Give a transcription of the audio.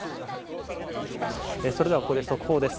それではここで速報です。